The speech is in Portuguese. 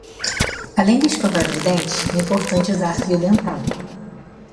Além de escovar os dentes, é importante usar fio dental.